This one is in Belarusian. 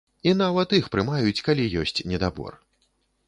І нават іх прымаюць, калі ёсць недабор.